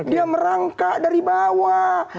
dia merangkak dari bawah